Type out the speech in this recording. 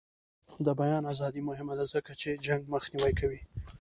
د بیان ازادي مهمه ده ځکه چې جنګ مخنیوی کوي.